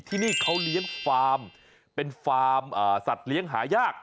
ที่นี่เขาเลี้ยงร้านเป็นร้านศัตริ์เลี้ยงหายาก